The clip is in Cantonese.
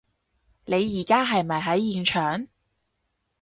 你而家係咪喺現場？